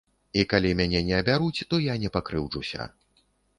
І калі мяне не абяруць, то я не пакрыўджуся.